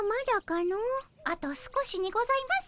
あと少しにございます。